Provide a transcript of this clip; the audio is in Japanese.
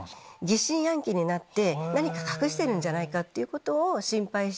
疑心暗鬼になって何か隠してるんじゃないかっていうことを心配して。